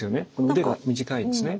腕が短いですね。